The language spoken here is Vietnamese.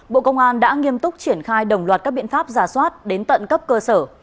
bộ công an đã nghiêm túc triển khai đồng loạt các biện pháp giả soát đến tận cấp cơ sở